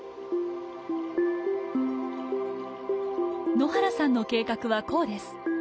野原さんの計画はこうです。